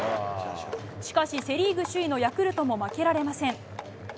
しかし、セ・リーグ首位のヤクルトも負けられません。